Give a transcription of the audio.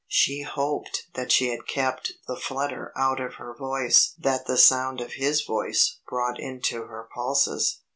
She hoped that she had kept the flutter out of her voice that the sound of his voice brought into her pulses.